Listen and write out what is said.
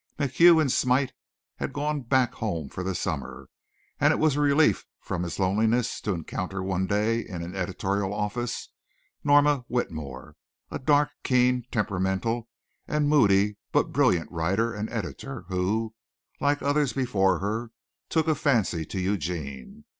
MacHugh and Smite had gone back home for the summer, and it was a relief from his loneliness to encounter one day in an editorial office, Norma Whitmore, a dark, keen, temperamental and moody but brilliant writer and editor who, like others before her, took a fancy to Eugene.